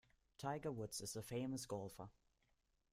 Tiger Woods is a famous golfer.